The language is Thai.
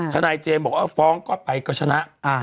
ธนาจน์เจมส์บอกนะฟ้องก็ไปก็ชนะ